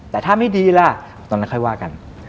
แต่ถ้ามิดีแล้วตอนนี้ค่อยว่ากัน